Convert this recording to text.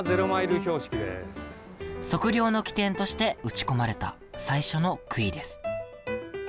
測量の起点として打ち込まれた最初の杭です。